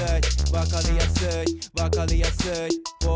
「わかりやすいわかりやすい」